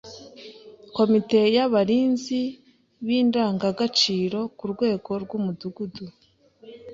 Komite y’abarinzi b’indangagaciro ku rwego rw’Umudugudu